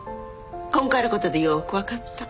今回の事でよくわかった。